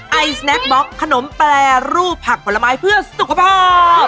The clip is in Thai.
ไอสแนคบล็อกขนมแปรรูปผักผลไม้เพื่อสุขภาพ